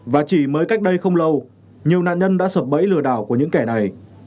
và chỉ mới cách đây không lâu nhiều nạn nhân đã sập bẫy lừa đảo của những kẻ này